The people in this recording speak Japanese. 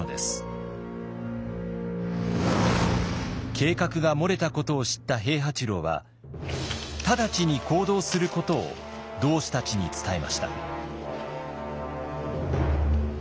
計画が漏れたことを知った平八郎は直ちに行動することを同志たちに伝えました。